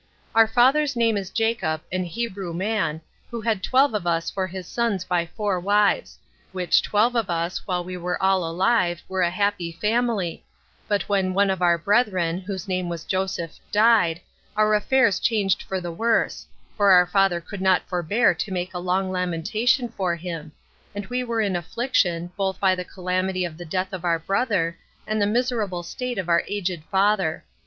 Our father's name is Jacob, an Hebrew man, who had twelve of us for his sons by four wives; which twelve of us, while we were all alive, were a happy family; but when one of our brethren, whose name was Joseph, died, our affairs changed for the worse, for our father could not forbear to make a long lamentation for him; and we are in affliction, both by the calamity of the death of our brother, and the miserable state of our aged father.